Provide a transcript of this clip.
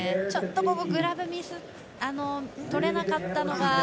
ちょっとグラブ取れなかったのが。